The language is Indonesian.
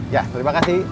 ya terima kasih